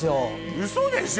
ウソでしょ！